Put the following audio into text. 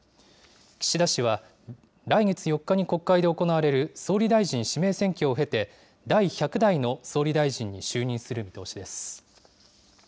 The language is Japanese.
岸田氏は、来月４日に国会で行われる総理大臣指名選挙を経て、第１００代の総理大臣に就任する見通しです。